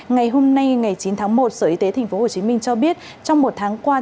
ngày hôm nay ngày chín tháng một sở y tế tp hcm cho biết trong một tháng qua